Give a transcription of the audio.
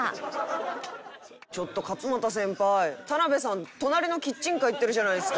ちょっと勝俣先輩田辺さん隣のキッチンカー行ってるじゃないですか。